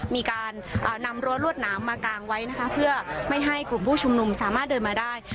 มีการนำรั้วรวดหนามมากางไว้นะคะเพื่อไม่ให้กลุ่มผู้ชุมนุมสามารถเดินมาได้